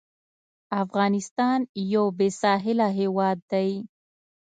افغانستان یو بېساحله هېواد دی.